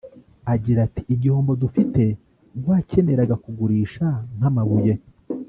Agira ati “Igihombo dufite nk’uwakeneraga kugurisha nk’amabuye